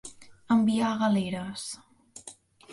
Enviar a galeres.